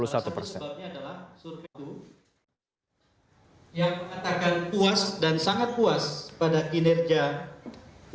yang mengatakan puas dan sangat puas pada kinerja jokowi